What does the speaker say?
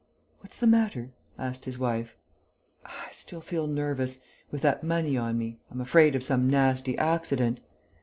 "What's the matter?" asked his wife. "I still feel nervous ... with that money on me! I'm afraid of some nasty accident."